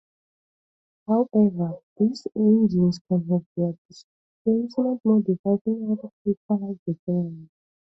However, these engines can have their displacements modified in order to equalize the field.